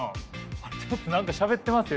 あっちょっと何かしゃべってますよ。